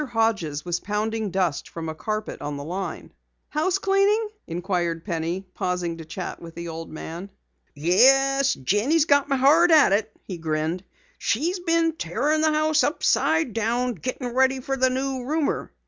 Hodges was pounding dust from a carpet on the line. "Housecleaning?" inquired Penny, pausing to chat with the old man. "Yes, Jenny's got me hard at it," he grinned. "She's been tearin' the house upside down gettin' ready for the new roomer."